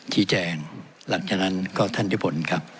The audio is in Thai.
แจงหลังจากนั้นก็ท่านยุพลครับ